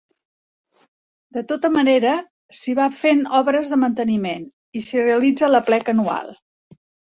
De tota manera, s'hi van fent obres de manteniment, i s'hi realitza l'aplec anual.